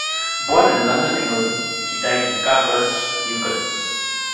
Born in London, England, he died in Carcross, Yukon.